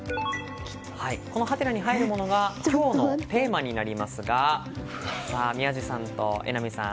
このハテナに入るものが今日のテーマになりますが宮司さんと榎並さん